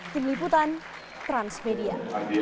tim liputan transmedia